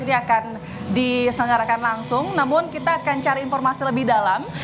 ini akan diselenggarakan langsung namun kita akan cari informasi lebih dalam